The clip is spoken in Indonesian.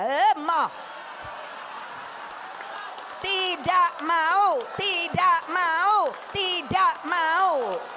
lemah tidak mau tidak mau tidak mau